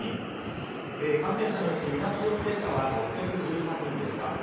感染者のうち、みなし陽性者は６１３人でした。